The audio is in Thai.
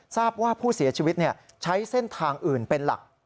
ทราบว่าผู้เสียชีวิตใช้เส้นทางอื่นเป็นหลัก